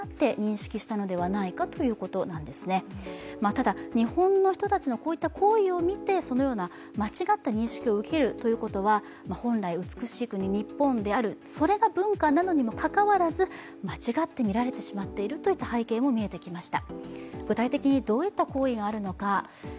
ただ、日本の人たちの行為を見てそのような間違った認識を受けることは本来、美しい国・日本であるそれが文化なのにもかかわらず間違ってみられてしまっているという背景も見られました。